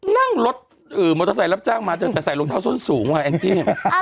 นั่งรถมอเตอร์ไซค์รับจ้างมาแต่ใส่รองเท้าส้นสูงว่ะแองจี้